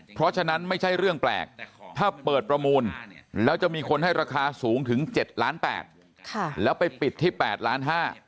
เพราะฉะนั้นไม่ใช่เรื่องแปลกถ้าเปิดประมูลแล้วจะมีคนให้ราคาสูงถึง๗ล้าน๘แล้วไปปิดที่๘ล้าน๕